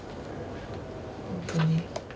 本当に。